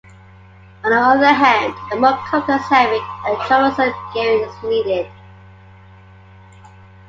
On the other hand, a more complex, heavy and troublesome gearing is needed.